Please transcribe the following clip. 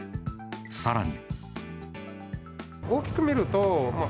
さらに。